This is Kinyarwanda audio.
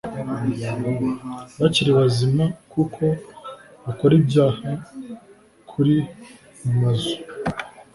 bakiri bazima kuko gukora ibyaha kuri mu mazu